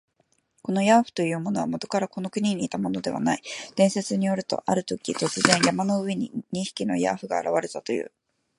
このヤーフというものは、もとからこの国にいたものではない。伝説によると、あるとき、突然、山の上に二匹のヤーフが現れたという。